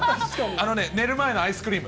あのね、寝る前のアイスクリーム。